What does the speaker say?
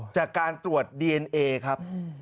จากการตรวจดีเอนเอครับ